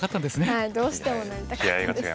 はいどうしても乗りたかったです。